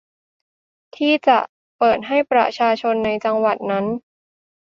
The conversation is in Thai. ที่จะเปิดให้ประชาชนในจังหวัดนั้น